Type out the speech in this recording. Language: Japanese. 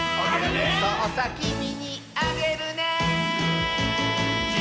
「そうさきみにあげるね」